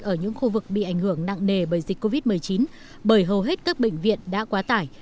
ở những khu vực bị ảnh hưởng nặng nề bởi dịch covid một mươi chín bởi hầu hết các bệnh viện đã quá tải